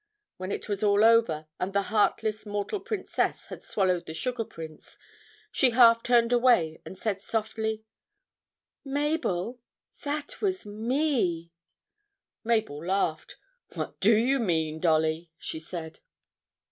When it was all over, and the heartless mortal princess had swallowed the sugar prince, she turned half away and said softly, 'Mabel, that was me.' Mabel laughed. 'What do you mean, Dolly?' she said.